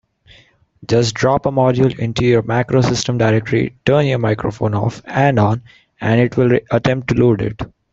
Just drop a module into your MacroSystem directory, turn your microphone off and on, and it will attempt to load it.